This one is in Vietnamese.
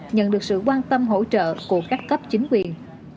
nhận được sự quan tâm hỗ trợ của các cấp chính quyền